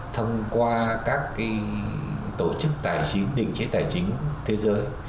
thông qua các tổ chức tài chính định chế tài chính thế giới